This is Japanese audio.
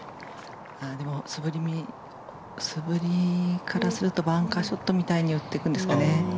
でも、素振りからするとバンカーショットみたいに打っていくんですかね。